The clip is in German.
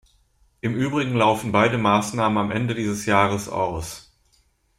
Im Übrigen laufen beide Maßnahmen am Ende dieses Jahres aus.